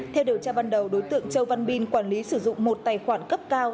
theo điều tra ban đầu đối tượng châu văn bin quản lý sử dụng một tài khoản cấp cao